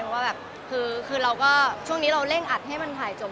ว่าแบบคือเราก็ช่วงนี้เราเร่งอัดให้มันถ่ายจบ